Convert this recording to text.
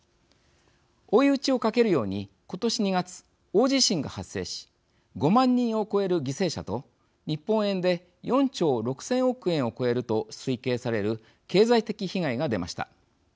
追い打ちをかけるように今年２月大地震が発生し５万人を超える犠牲者と日本円で４兆６０００億円を超えると推計される経済的被害が出ました。